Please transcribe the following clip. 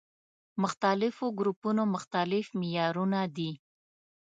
مختلفو ګروپونو مختلف معيارونه دي.